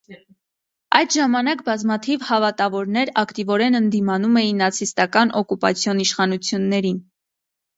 Այդ ժամանակ բազմաթիվ հավատավորներ ակտիվորեն ընդդիմանում էին նացիստական օկուպացիոն իշխանություններին։